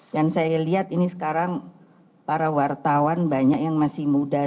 dan saya lihat ini sekarang para wartawan banyak yang masih muda